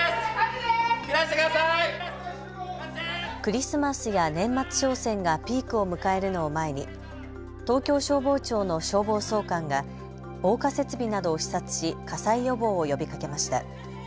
クリスマスや年末商戦がピークを迎えるのを前に東京消防庁の消防総監が防火設備などを視察し火災予防を呼びかけました。